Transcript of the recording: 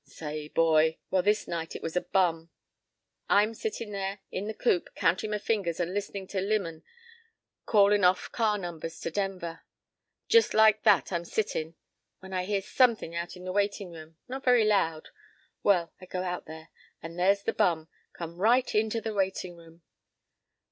Say, boy!" "Well, this night it was a bum. I'm sittin' there in the coop, countin' my fingers and listenin' to Limon calling off car numbers to Denver—just like that I'm sittin'—when I hear somethin' out in the waitin' room. Not very loud.—Well, I go out there, and there's the bum. Come right into the waitin' room.